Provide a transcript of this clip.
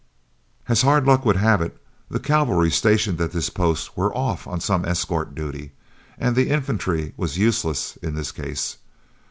As hard luck would have it, the cavalry stationed at this post were off on some escort duty, and the infantry were useless in this case.